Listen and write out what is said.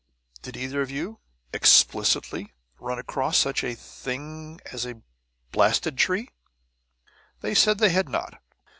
Did either of you," explicitly, "run across such a thing as a blasted tree?" They said they had not.